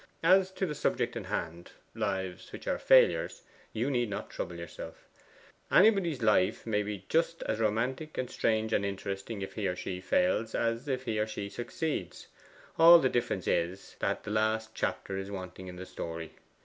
As to the subject in hand lives which are failures you need not trouble yourself. Anybody's life may be just as romantic and strange and interesting if he or she fails as if he or she succeed. All the difference is, that the last chapter is wanting in the story.